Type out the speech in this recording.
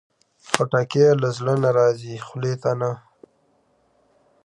خټکی له زړه نه راځي، خولې ته نه.